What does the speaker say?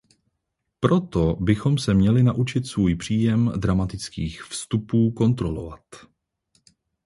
Proto bychom se měli naučit svůj příjem dramatických vstupů kontrolovat.